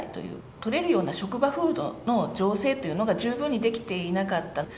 取れるような職場風土の醸成というのが十分にできていなかった。